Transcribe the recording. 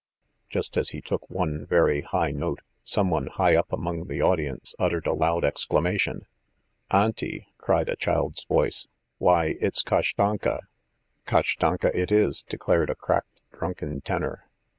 ... Just as he took one very high note, someone high up among the audience uttered a loud exclamation: "Auntie!" cried a child's voice, "why it's Kashtanka!" "Kashtanka it is!" declared a cracked drunken tenor.